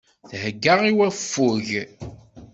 Thegga i waffug.